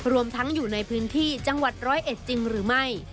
รวมทั้งอยู่ในพื้นที่จังหวัดร้อยเอ็ดจริงหรือไม่